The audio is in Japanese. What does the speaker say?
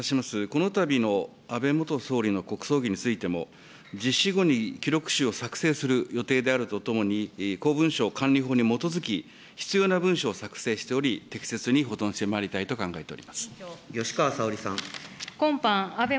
このたびの安倍元総理の国葬儀についても、実施後に記録集を作成する予定であるとともに、公文書管理法に基づき、必要な文書を作成しており、適切に保存してまいりたいと考え吉川沙織さん。